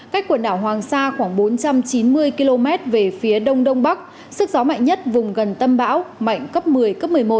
cách quần đảo hoàng sa khoảng bốn trăm chín mươi km về phía đông đông bắc sức gió mạnh nhất vùng gần tâm bão mạnh cấp một mươi cấp một mươi một